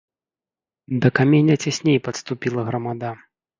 Да каменя цясней падступіла грамада.